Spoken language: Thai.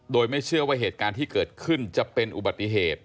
โดยไม่เชื่อว่าเหตุการณ์ที่เกิดขึ้นจะเป็นอุบัติเหตุ